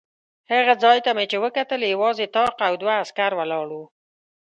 هغه ځای ته چې مې وکتل یوازې طاق او دوه عسکر ولاړ و.